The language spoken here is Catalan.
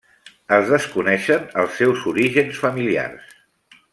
Es desconeixen els seus orígens familiars.